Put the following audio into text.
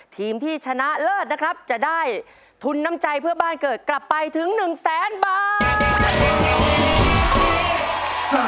ทีมที่ชนะเลิศนะครับจะได้ทุนน้ำใจเพื่อบ้านเกิดกลับไปถึง๑แสนบาท